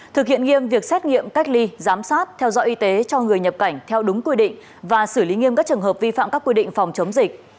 thực hiện nghiêm việc xét nghiệm cách ly giám sát theo dõi y tế cho người nhập cảnh theo đúng quy định và xử lý nghiêm các trường hợp vi phạm các quy định phòng chống dịch